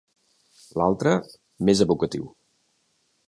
L'altre, més evocatiu.